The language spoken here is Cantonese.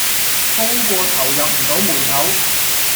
高過頭入唔到門口